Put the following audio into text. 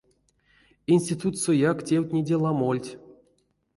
Институтсояк тевтнеде ламольть.